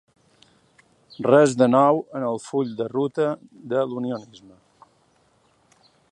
Res de nou en el full de ruta de l’unionisme.